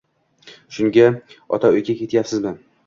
- Shunga otauyga ketyapsizmi?